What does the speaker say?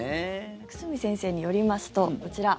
久住先生によりますとこちら。